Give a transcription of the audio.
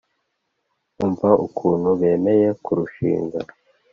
umva ukuntu bemeye kurushinga